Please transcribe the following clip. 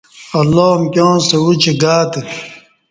اللہ امکیاں ستہ عوچ گاتہ